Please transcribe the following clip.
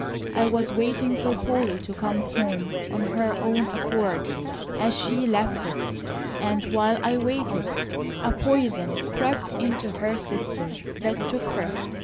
I was waiting for Polly to come home of her own accord, as she left it; and while I waited, a poison crept into her system that took her.